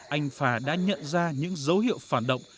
anh phà đã nhận ra những dấu hiệu phản động